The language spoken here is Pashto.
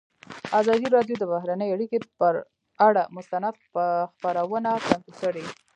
ازادي راډیو د بهرنۍ اړیکې پر اړه مستند خپرونه چمتو کړې.